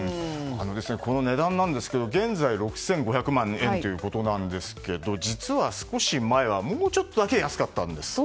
この値段なんですけど現在６５００万円ということなんですけど実は、少し前はもうちょっとだけ安かったんです。